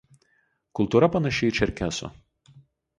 Kultūra panaši į čerkesų.